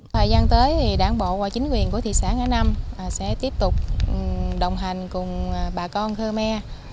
thời gian tới đảng bộ và chính quyền của thị xã nga năm sẽ tiếp tục đồng hành cùng bà con khơ me